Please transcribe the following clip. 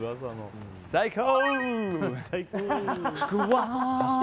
最高！